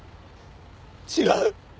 違う。